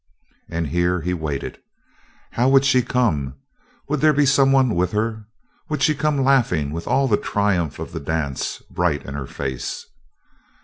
And here he waited. How would she come? Would there be someone with her? Would she come laughing, with all the triumph of the dance bright in her face?